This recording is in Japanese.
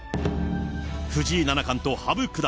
藤井七冠と羽生九段。